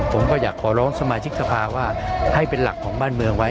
ผมก็อยากขอร้องสมาชิกสภาว่าให้เป็นหลักของบ้านเมืองไว้